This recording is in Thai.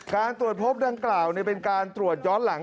การตรวจพบดังกล่าวเป็นการตรวจย้อนหลัง